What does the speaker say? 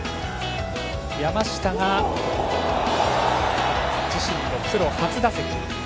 山下が自身のプロ初打席。